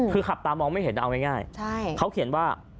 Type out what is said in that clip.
คือขับตามองไม่เห็นเอาง่ายเขาเขียนว่า